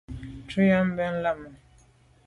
Shutnyàm be leme.